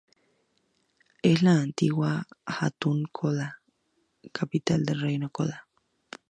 Es la antigua Hatun Colla, capital del Reino Colla.